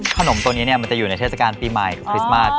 ขนมตัวนี้มันจะอยู่ในเทศกาลปีใหม่คริสต์มาส